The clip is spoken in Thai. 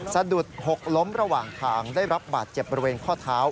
สะดุดหกล้มระหว่างทางได้รับบาดเจ็บบริเวณข้อเท้า